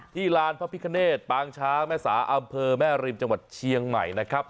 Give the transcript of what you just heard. ลานพระพิคเนตปางช้างแม่สาอำเภอแม่ริมจังหวัดเชียงใหม่นะครับ